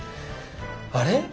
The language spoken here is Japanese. あれ？